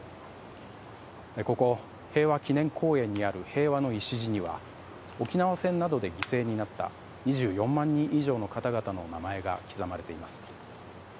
ここ、平和祈念公園にある平和の礎には沖縄戦などで犠牲になった２４万人以上の方々の名前が刻まれています。